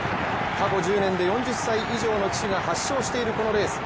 過去１０年で４０歳以上の騎手が８勝しているこのレース。